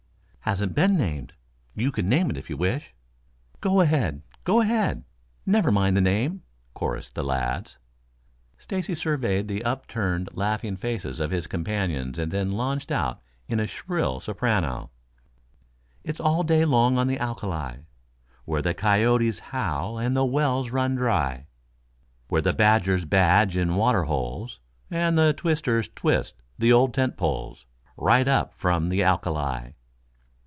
"Hasn't been named. You can name it if you wish." "Go ahead, go ahead. Never mind the name," chorused the lads. Stacy surveyed the upturned, laughing faces of his companions and then launched out in a shrill soprano: It's all day long on the alka li, Where the coyotes howl and the wells run dry, Where the badgers badge in the water holes, And the twisters twist the old tent poles Right up from the alka li.